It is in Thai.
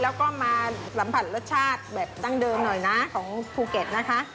แล้วก็มาสัมผัสรสชาติแบบดั้งเดิมหน่อยนะของภูเก็ตนะคะ